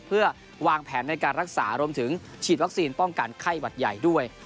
เพื่อวางแผนในการรักษารวมถึงฉีดวัคซีนป้องกันไข้หวัดใหญ่ด้วย